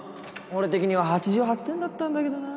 俺的には８８点だったんだけどな